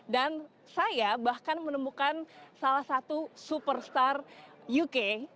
dan saya bahkan menemukan salah satu superstar uk